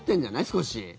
少し。